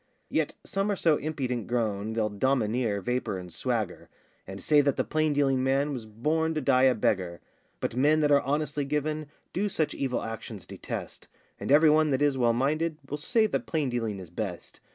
Yet some are so impudent grown, They'll domineer, vapour, and swagger, And say that the plain dealing man Was born to die a beggar: But men that are honestly given Do such evil actions detest, And every one that is well minded Will say that plain dealing is best.